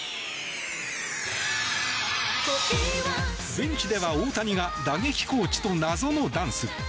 ベンチでは大谷が打撃コーチと謎のダンス。